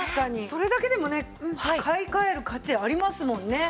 それだけでもね買い替える価値ありますもんね。